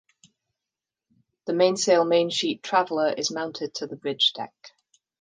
The mainsail mainsheet traveler is mounted to the bridge deck.